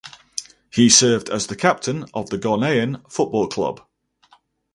He served as the captain of the Ghanaian football club.